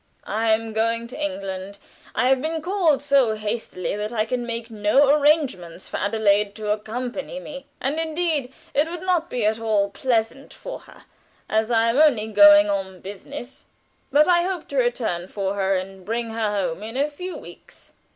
"I am going to England. I have been called so hastily that I can make no arrangements for Adelaide to accompany me, and indeed it would not be at all pleasant for her, as I am only going on business; but I hope to return for her and bring her home in a few weeks.